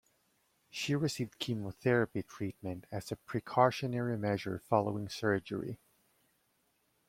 She received chemotherapy treatment as a precautionary measure following surgery.